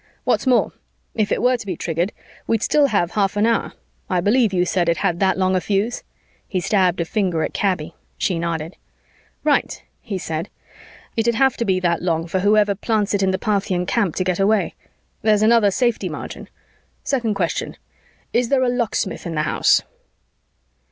"What's more, if it were to be triggered, we'd still have half an hour. I believe you said it had that long a fuse?" He stabbed a finger at Kaby. She nodded. "Right," he said. "It'd have to be that long for whoever plants it in the Parthian camp to get away. There's another safety margin. "Second question. Is there a locksmith in the house?"